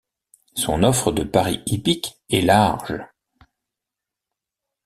Son offre de paris hippiques est large.